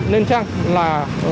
nên chăng là